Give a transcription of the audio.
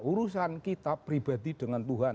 urusan kita pribadi dengan tuhan